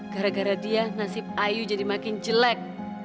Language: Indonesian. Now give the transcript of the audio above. gara gara dia nasib ayu jadi makin jelek